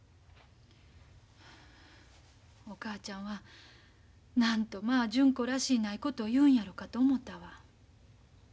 お母ちゃんはなんとまあ純子らしないことを言うんやろかと思たわ。